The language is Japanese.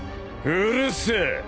うるせえ！